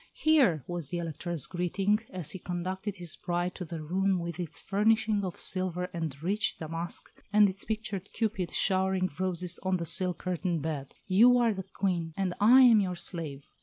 "Here," was the Elector's greeting, as he conducted his bride to her room with its furnishing of silver and rich damask, and its pictured Cupid showering roses on the silk curtained bed, "you are the Queen, and I am your slave."